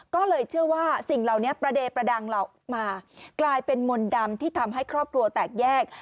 กลายเป็นมนตร์ดำที่ทำให้ครอบครัวแตกแยก